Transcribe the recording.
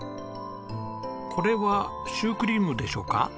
これはシュークリームでしょうか？